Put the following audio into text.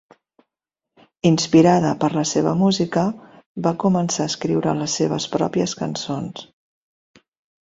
Inspirada per la seva música, va començar a escriure les seves pròpies cançons.